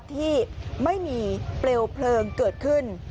ที่ไม่มีเปลวเพลิงเกิดขึ้น